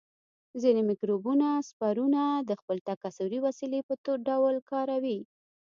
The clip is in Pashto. ځینې مکروبونه سپورونه د خپل تکثري وسیلې په ډول کاروي.